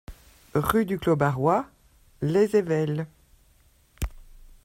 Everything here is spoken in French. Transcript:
Rue du Clos Barrois, Les Ayvelles